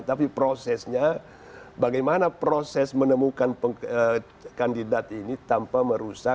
tapi prosesnya bagaimana proses menemukan kandidat ini tanpa merusak